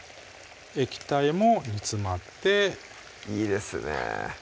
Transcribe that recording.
液体も煮詰まっていいですね